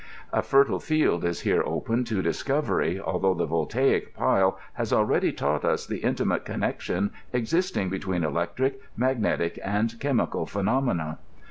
A fertile field is here opened to dis cotery, although the voltaic pile has already taught us the intimate connection existing between electric, magnetic, and chemical phenom^ia.